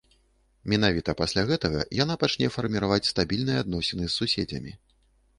Менавіта пасля гэтага яна пачне фарміраваць стабільныя адносіны з суседзямі.